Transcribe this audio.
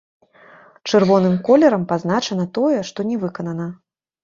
Чырвоным колерам пазначана тое, што не выканана.